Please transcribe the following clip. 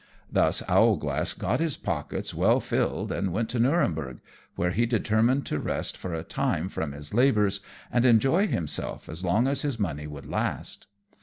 Thus Owlglass got his pockets well filled and went to Nurenberg, where he determined to rest for a time from his labours, and enjoy himself as long as his money would last.